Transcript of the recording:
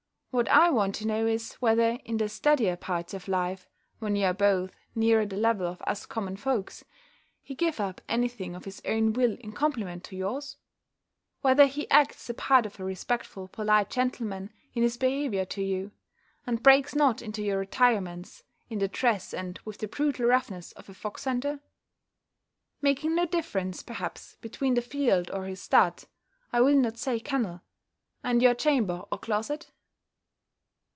What I want to know is, whether in the steadier parts of life, when you are both nearer the level of us common folks, he give up any thing of his own will in compliment to yours? Whether he acts the part of a respectful, polite gentleman, in his behaviour to you; and breaks not into your retirements, in the dress, and with the brutal roughness of a fox hunter? Making no difference, perhaps, between the field or his stud (I will not say kennel) and your chamber or closet?